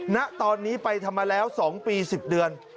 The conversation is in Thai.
ณตอนนี้ไปทำมาแล้ว๒ปี๑๐เดือน